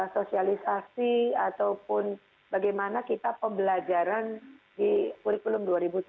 sosialisasi ataupun bagaimana kita pembelajaran di kurikulum dua ribu tiga puluh